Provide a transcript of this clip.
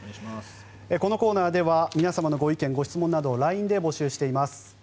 このコーナーでは皆様のご意見・ご質問などをＬＩＮＥで募集しております。